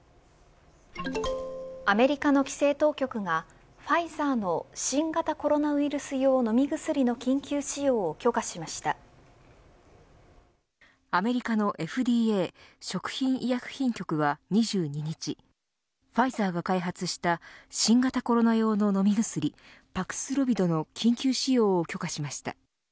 アメリカの規制当局がファイザーの新型コロナウイルス用飲み薬のアメリカのＦＤＡ食品医薬品局は２２日ファイザーが開発した新型コロナ用の飲み薬パクスロビドの緊急使用を許可しました。